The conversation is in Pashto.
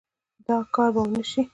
دا کار به ونشي